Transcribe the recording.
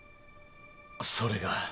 それが？